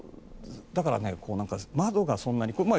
だから窓がそんなに。